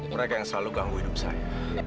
mereka yang selalu ganggu hidup saya